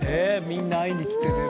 「みんな会いに来てね！」